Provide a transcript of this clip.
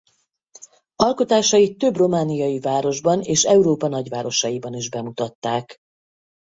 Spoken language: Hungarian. Alkotásait több romániai városban és Európa nagyvárosaiban is bemutatták.